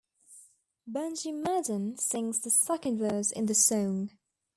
Benji Madden sings the second verse in the song.